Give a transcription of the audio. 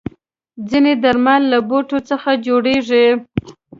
ځینې درمل له بوټو څخه جوړېږي.